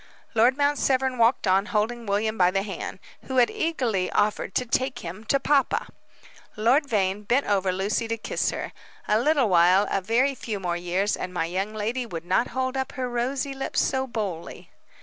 Lord Mount Severn walked on, holding William by the hand, who had eagerly offered to "take him" to papa. Lord Vane bent over Lucy to kiss her. A little while, a very few more years, and my young lady would not hold up her rosy lips so boldly.